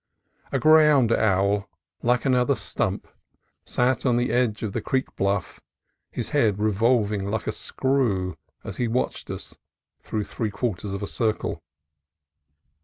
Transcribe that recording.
A ground owl, like another stump, sat on the edge of the creek bluff, his head revolving like a screw as he watched us through three quarters of a circle.